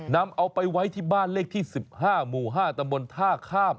นำเอาไปไว้ที่บ้านเลขที่๑๕หมู่๕ตำบลท่าข้าม